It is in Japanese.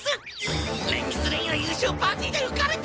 連日連夜優勝パーティーで浮かれて！